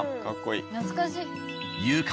かっこいい。